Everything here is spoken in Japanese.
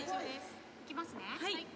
いきますね。